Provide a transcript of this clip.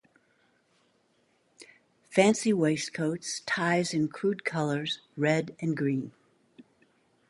Fancy waistcoats, ties in crude colours, red and green.